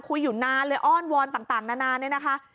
คุยอยู่นานเลยอ้อนวอนต่างนานาเนี่ยนะคะ